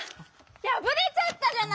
やぶれちゃったじゃない！